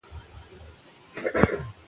که عفوه وي نو دښمني نه پاتیږي.